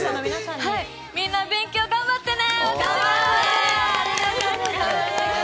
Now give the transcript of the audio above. みんな、勉強頑張ってね！